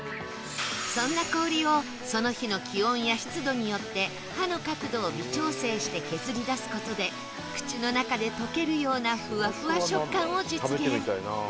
そんな氷をその日の気温や湿度によって刃の角度を微調整して削り出す事で口の中で溶けるようなフワフワ食感を実現